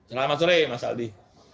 selamat sore mas aldi